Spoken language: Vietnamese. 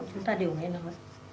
chúng ta đều nghe nói